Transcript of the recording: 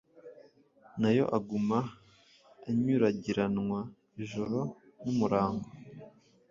nayo aguma anyuragiranwa ijoro n’umurango.